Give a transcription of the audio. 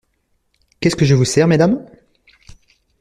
Qu'est-ce que je vous sers, mesdames?